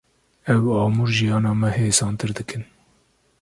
Ev amûr jiyana me hêsantir dikin.